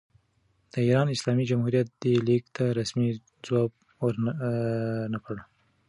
د ایران اسلامي جمهوریت دې لیک ته رسمي ځواب ور نه کړ.